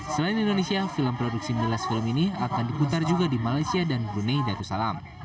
selain indonesia film produksi miles film ini akan diputar juga di malaysia dan brunei darussalam